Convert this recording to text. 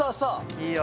いいよ。